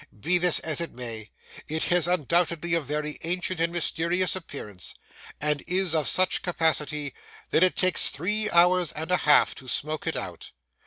Be this as it may, it has undoubtedly a very ancient and mysterious appearance, and is of such capacity that it takes three hours and a half to smoke it out.